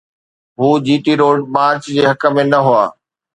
هو G T road march جي حق ۾ نه هئا.